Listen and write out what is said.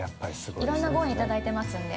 いろんなご縁いただいてますんで。